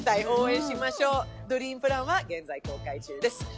応援しましょう、「ドリームプラン」は現在公開中です。